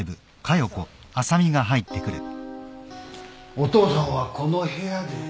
お父さんはこの部屋で？